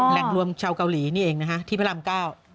แหล่งรวมชาวเกาหลีนี่เองนะฮะที่พระรามเก้า